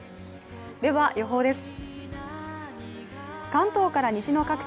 では予報です。